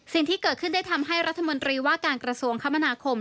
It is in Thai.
สิ่งที่เกิดขึ้นได้ทำให้รัฐมนตรีว่าการกระทรวงคมนาคม